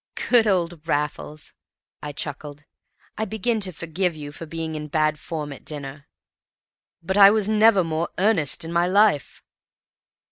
"Good old Raffles!" I chuckled. "I begin to forgive you for being in bad form at dinner." "But I was never more earnest in my life."